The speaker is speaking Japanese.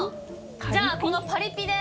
じゃあこのパリＰで。